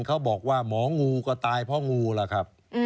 เขาบอกว่าหมองูก็ตายเพราะงูล่ะครับ